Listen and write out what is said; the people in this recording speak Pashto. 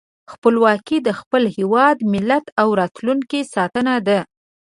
خپلواکي د خپل هېواد، ملت او راتلونکي ساتنه ده.